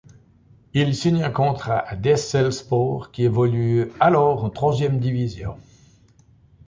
Il signe un contrat à Dessel Sport, qui évolue alors en troisième division.